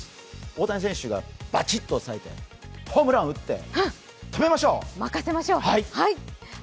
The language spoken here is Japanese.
大谷選手がバチッと押さえてホームランを打って決めましょう！